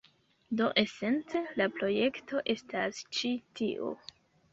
Do esence la projekto estas ĉi tio.